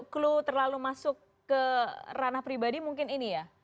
clue terlalu masuk ke ranah pribadi mungkin ini ya